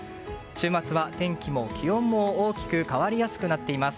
週末は天気も気温も大きく変わりやすくなっています。